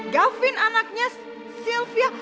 gavin anaknya sylvia